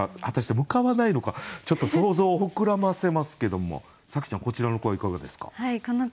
果たして向かわないのかちょっと想像を膨らませますけども紗季ちゃんこちらの句はいかがですか？